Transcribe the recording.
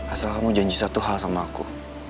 asal kamu janji satu hal sama aku